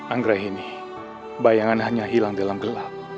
anggrek ini bayangan hanya hilang dalam gelap